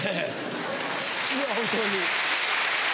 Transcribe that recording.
いや本当に。